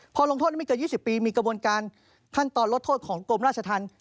พอลงโทษนั้นไม่เกิน๒๐ปีมีกระบวนการขั้นตอนลดโทษของกรมราชธรรม